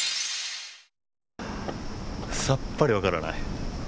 さっぱり分からない。